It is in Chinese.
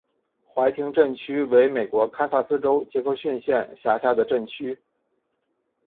怀廷镇区为美国堪萨斯州杰克逊县辖下的镇区。